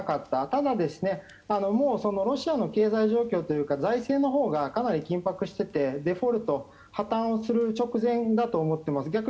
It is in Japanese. ただ、ロシアの経済状況というか財政のほうがかなり緊迫していてデフォルト、破綻する直前だと思っています。